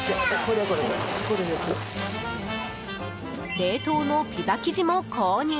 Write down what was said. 冷凍のピザ生地も購入。